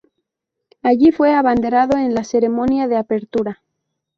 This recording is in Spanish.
Allí fue abanderado en la ceremonia de apertura.